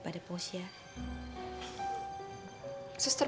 nanti aku liat sisiku diri